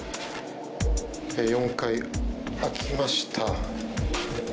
４階開きました。